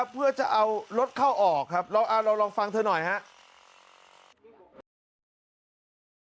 เพื่อจะเอารถเข้าออกครับเราลองฟังเธอหน่อยครับ